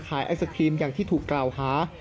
ขายอักษกรีมอย่างที่ถูกกล่าวหา